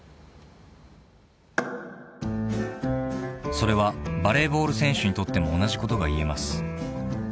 ［それはバレーボール選手にとっても同じことが言えます］